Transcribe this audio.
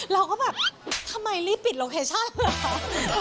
เราก็แบบทำไมรีบปิดโลเคชั่นเลยเหรอคะ